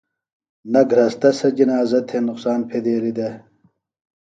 نہ گھرستہ سےۡ جنازہ تھےۡ گہ نُقصان پھیدیلیۡ دےۡ